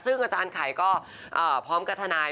ซึ่งอาจารย์ไข่ก็พร้อมกับทนาย